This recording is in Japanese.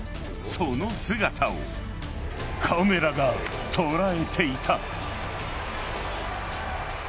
その姿をカメラが捉えていた。